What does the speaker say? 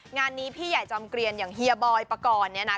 งานนี้พี่ใหญ่จอมเกลียนอย่างเฮียบอยปกรณ์เนี่ยนะ